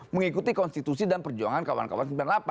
mengikuti konstitusi dan perjuangan kawan kawan sembilan puluh delapan